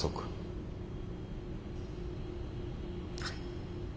はい。